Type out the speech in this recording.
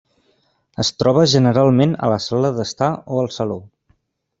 Es troba generalment a la sala d'estar o al saló.